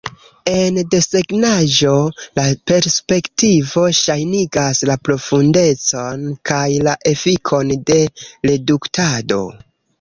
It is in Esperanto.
En desegnaĵo, la perspektivo ŝajnigas la profundecon kaj la efikon de reduktado.